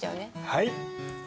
はい。